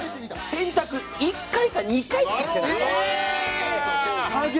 洗濯１回か２回しかしてない。